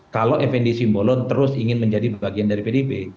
kalau fdi simbolon terus ingin menjadi bagian dari pdp